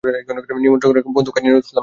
নিমন্ত্রণ করেন বন্ধু কাজী নজরুল ইসলামকে।